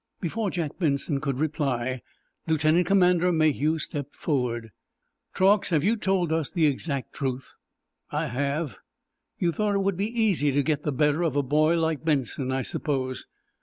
Before Jack Benson could reply Lieutenant Commander Mayhew stepped forward. "Truax, have you told us the exact truth?" "I have." "You thought it would be easy to get the better of a boy like Benson, I suppose."